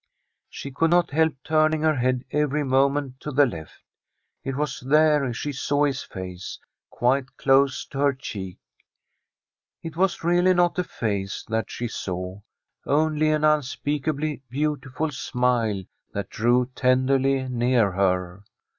She could not help turning her head every moment to the left. It was there she saw his face, quite close to her cheek. It was really not a face that she saw, only an unspeakably beautiful smile that drew tenderly near her.